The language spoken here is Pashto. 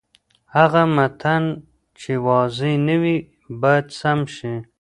هغه متن چې واضح نه وي، باید سم شي.